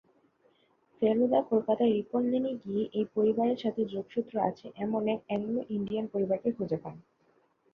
ফেলুদা কলকাতার রিপন লেনে গিয়ে এই পরিবারের সাথে যোগসূত্র আছে এমন এক অ্যাংলো-ইন্ডিয়ান পরিবারকে খুঁজে পান।